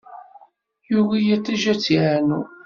Yugi yiṭij ad tt-yeɛnu.